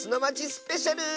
スペシャル！